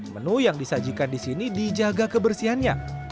menu yang disajikan di sini dijaga kebersihannya